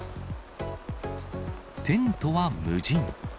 テントは無人。